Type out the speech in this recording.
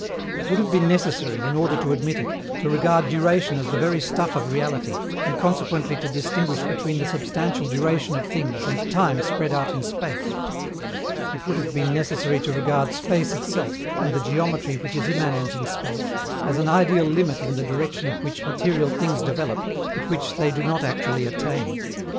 It would have been necessary, in order to admit it, to regard duration as the very stuff of reality, and consequently to distinguish between the substantial duration of things and time spread out in space. It would have been necessary to regard space itself, and the geometry which is immanent in space, as an ideal limit in the direction of which material things develop, but which they do not actually attain.